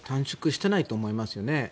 縮小していないと思いますよね。